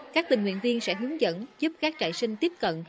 các tình nguyện viên sẽ hướng dẫn giúp các trại sinh tiếp cận